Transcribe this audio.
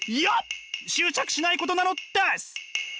執着しないことなのです！